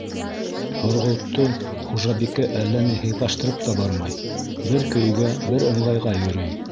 Һорғолтто хужабикә әллә ни һыйпаштырып та бармай: бер көйгә, бер ыңғайға йөрөй.